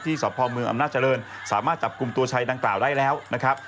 ที่บริเวณด้านหน้าของเวทีนะครับ